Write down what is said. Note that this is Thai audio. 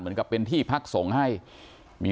เหมือนกับเป็นที่พักส่งให้มี